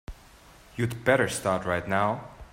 You'd better start right now.